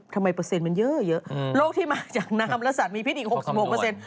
เปอร์เซ็นต์มันเยอะเยอะโรคที่มาจากน้ำและสัตว์มีพิษอีก๖๖เปอร์เซ็นต